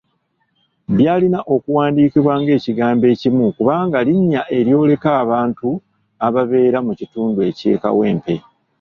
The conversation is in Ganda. Byalina okuwandiikibwa ng'ekigambo ekimu kubanga linnya eryoleka abantu ababeera mu kitundu ky'e Kawempe.